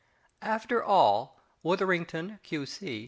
After all, WITHERINGTON, Q.C.